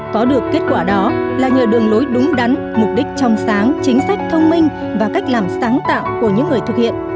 có được kết quả đó là nhờ đường lối đúng đắn mục đích trong sáng chính sách thông minh và cách làm sáng tạo của những người thực hiện